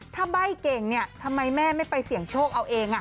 ถ้าใบ้เก่งเนี่ยทำไมแม่ไม่ไปเสี่ยงโชคเอาเอง